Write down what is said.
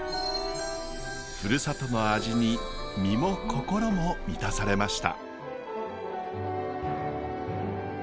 ふるさとの味に身も心も満たされました。